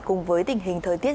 cùng với tình hình thời tiết